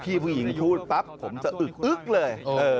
พี่ผู้หญิงพูดปั๊บผมจะอึกอึ๊กเลย